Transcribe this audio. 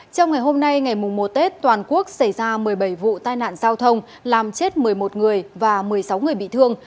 trong ngày hôm nay ngày mùa một tết toàn quốc xảy ra một mươi bảy vụ tai nạn giao thông làm chết một mươi một người và một mươi sáu người bị thương